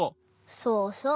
そうそう！